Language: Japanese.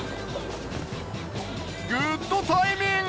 グッドタイミング。